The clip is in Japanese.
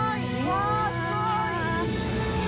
わあすごい！